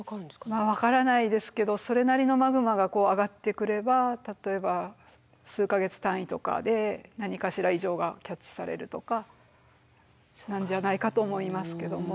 まあ分からないですけどそれなりのマグマが上がってくれば例えば数か月単位とかで何かしら異常がキャッチされるとかなんじゃないかと思いますけども。